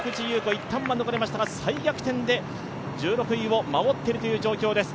いったんは抜かれましたが再逆転で１６位を守っている状況です。